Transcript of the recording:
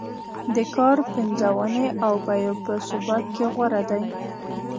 د کار پنځونې او بیو په ثبات کې غوره دی.